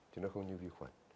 chứ nó không như vi khuẩn